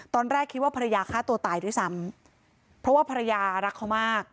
ตอนแรกคิดว่าภรรยาฆ่าตัวตายด้วยซ้ำเพราะว่าภรรยารักเขามาก